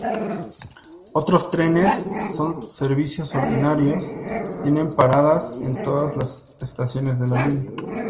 Otros trenes son servicios ordinarios, tienen paradas en todas las estaciones de la línea.